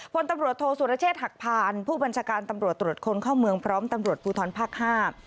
พลตำรวจโทษสุรเชษฐ์หักพานผู้บัญชาการตำรวจตรวจคนเข้าเมืองพร้อมตำรวจภูทรภาคห้า